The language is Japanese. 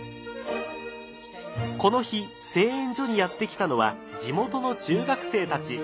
この日製塩所にやって来たのは地元の中学生たち。